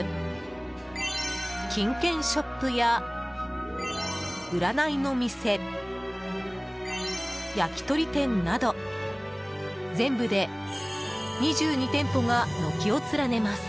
金券ショップや占いの店、焼き鳥店など全部で２２店舗が軒を連ねます。